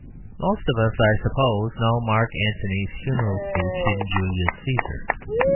Most of us, I suppose, know Mark Antony's Funeral Speech in "Julius Cæsar."